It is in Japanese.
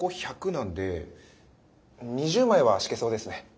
なんで２０枚は敷けそうですね。